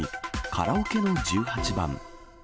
カラオケの十八番。